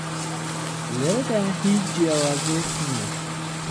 لێرەدا هیچ جیاوازییەک نییە